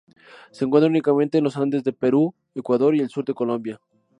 Se encuentra únicamente en los Andes de Perú, Ecuador y el sur de Colombia.